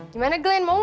gimana glenn mau gak